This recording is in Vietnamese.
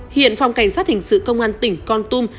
hiện phòng cảnh sát hình sự công an tỉnh con tum